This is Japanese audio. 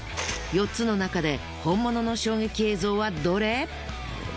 ４つの中で本物の衝撃映像はどれ？